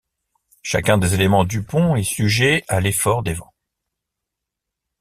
Chacun des éléments du pont est sujet à l'effort des vents.